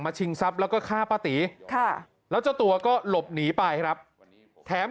ชิงทรัพย์แล้วก็ฆ่าป้าตีค่ะแล้วเจ้าตัวก็หลบหนีไปครับแถม